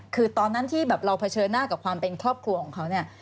คือตอนนั้นที่แบบเราเผชิญหน้ากับความเป็นครอบครัวของเขาเนี่ย